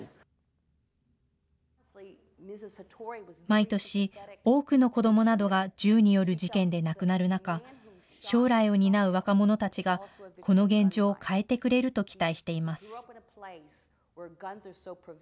毎年、多くの子どもなどが銃による事件で亡くなる中、将来を担う若者たちがこの現状を変えてくれると期待しています。